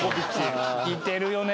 似てるよね。